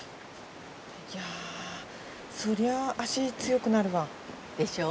いやそりゃ脚強くなるわ。でしょう？